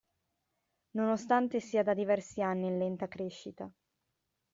Nonostante sia da diversi anni in lenta crescita.